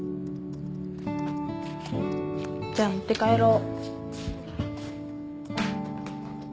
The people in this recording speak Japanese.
じゃあ持って帰ろ。